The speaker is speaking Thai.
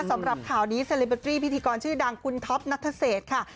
สำหรับข่าวนี้เซลิเบอร์ตรีพิธีกรชื่อดังคุณท็อปนัทเศษค่ะ